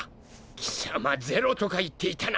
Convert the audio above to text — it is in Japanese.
貴様是露とか言っていたな！